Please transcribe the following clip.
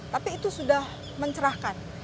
tapi itu sudah mencerahkan